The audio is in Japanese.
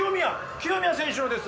清宮選手のです。